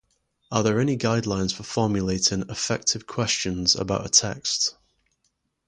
Are there any guidelines for formulating effective questions about a text?